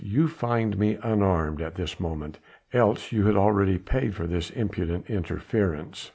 You find me unarmed at this moment, else you had already paid for this impudent interference."